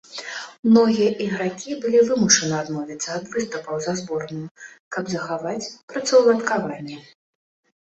Многія ігракі былі вымушаны адмовіцца ад выступаў за зборную, каб захаваць працаўладкаванне.